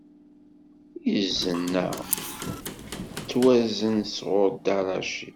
Izen-a ttwazen sɣur Dda Racid.